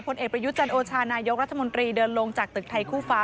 ผลเอกประยุทธ์จันโอชานายกรัฐมนตรีเดินลงจากตึกไทยคู่ฟ้า